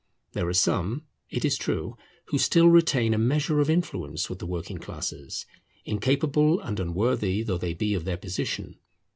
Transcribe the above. There are some, it is true, who still retain a measure of influence with the working classes, incapable and unworthy though they be of their position.